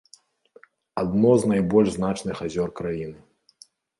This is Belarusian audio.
Адно з найбольш значных азёр краіны.